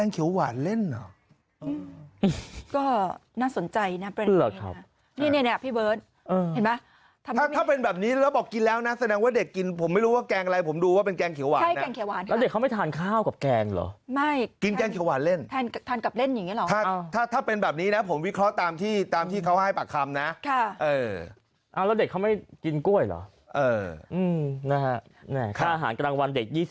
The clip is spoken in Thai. ๒๐กว่าบาทนะครับแล้วลองไปดูนะค่าอาหารกลางวัน